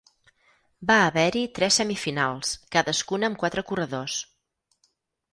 Va haver-hi tres semifinals, cadascuna amb quatre corredors.